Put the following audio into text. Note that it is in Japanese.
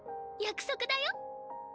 約束だよ。